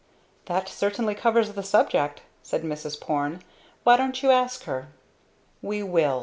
"That certainly covers the subject," said Mrs. Porne. "Why don't you ask her?" "We will.